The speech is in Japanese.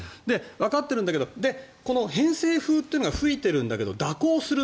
わかってるんだけどこの偏西風というのが吹いてるんだけど蛇行する。